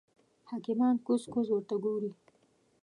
حکیمان کوز کوز ورته ګوري.